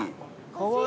かわいい。